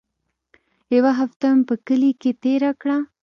يوه هفته مې په کلي کښې تېره کړه.